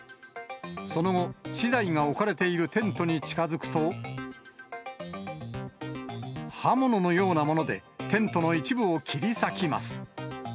その後、資材が置かれているテントに近づくと、刃物のようなものでテントの一部を切り裂きます。